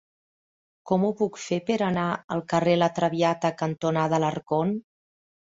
Com ho puc fer per anar al carrer La Traviata cantonada Alarcón?